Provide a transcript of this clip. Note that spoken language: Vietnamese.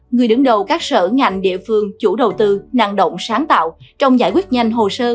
người đứng đầu các sở ngành địa phương chủ đầu tư năng động sáng tạo trong giải quyết nhanh hồ sơ